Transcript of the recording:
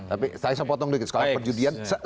tapi saya potong sedikit sekali perjudian